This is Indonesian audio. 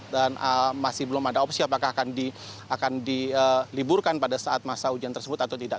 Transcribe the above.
dan masih belum ada opsi apakah akan diliburkan pada saat masa ujian tersebut atau tidak